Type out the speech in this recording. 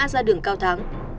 ra đường cao thắng